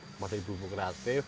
kepada ibu ibu kreatif